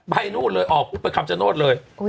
ไปนู่นเลยออกไปคำชะโนชน์เลย